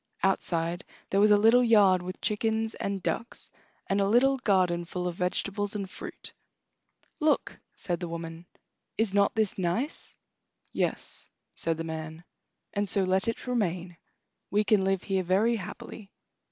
Outside there was a little yard with chickens and ducks, and a little garden full of vegetables and fruit. "Look!" said the woman, "is not this nice?" "Yes," said the man; "and so let it remain. We can live here very happily."